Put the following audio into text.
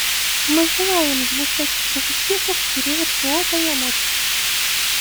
Мы желаем ему всяческих успехов в период его полномочий.